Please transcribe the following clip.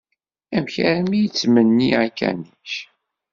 Amek armi i d-yettmenni akanic?